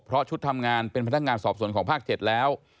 เพราะชุดทำงานเป็นพนักงานสอบส่วนของภาค๗แล้ว